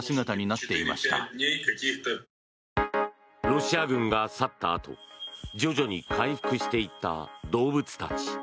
ロシア軍が去ったあと徐々に回復していった動物たち。